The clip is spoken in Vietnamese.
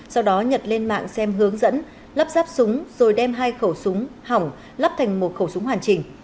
sau đó nhật lên mạng xem hướng dẫn lắp ráp súng rồi đem hai khẩu súng hỏng lắp thành một khẩu súng hoàn chỉnh